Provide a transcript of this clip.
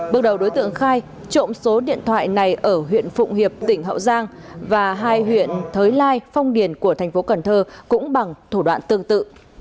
bước đầu đối tượng khai trộm số điện thoại này ở huyện phụng hiệp tỉnh hậu giang và hai huyện thới lai phong điền của thành phố cần thơ cũng bằng thủ đoạn tương tự